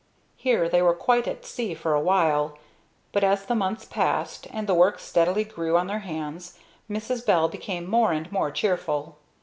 Here they were quite at sea for a while. But as the months passed, and the work steadily grew on their hands, Mrs. Bell became more and more cheerful.